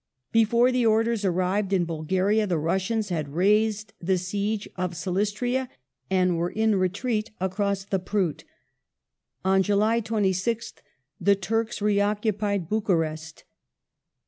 ^ Before the orders arrived in Bulgaria, the Russians had raised the siege of Silistria and were in retreat across the Pruth. On July 26th the Turks reoccupied Bucharest.